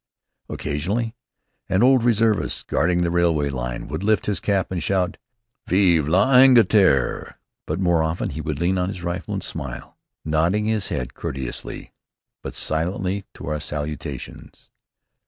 Occasionally an old reservist, guarding the railway line, would lift his cap and shout, "Vive l'Angleterre!" But more often he would lean on his rifle and smile, nodding his head courteously but silently to our salutations.